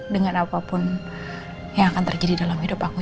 dengan apapun yang akan terjadi dalam hidup aku